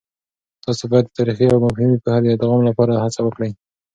تاسې باید د تاريخي او مفهومي پوهه د ادغام لپاره هڅه وکړئ.